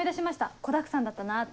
子だくさんだったなって。